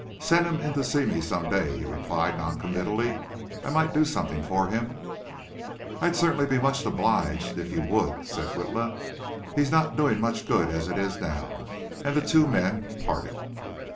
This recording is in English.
"Send him in to see me some day," he replied noncommittally. "I might do something for him." "I'd certainly be much obliged to you if you would," said Witla. "He is not doing much good as it is now," and the two men parted.